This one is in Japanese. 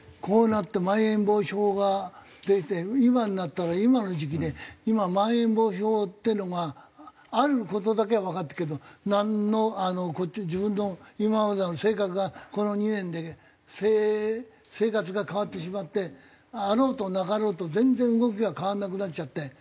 こうなってまん延防止法ができて今になったら今の時期で今まん延防止法っていうのがある事だけはわかってるけどなんのこっち自分の今までの生活がこの２年で生活が変わってしまってあろうとなかろうと全然動きが変わらなくなっちゃって。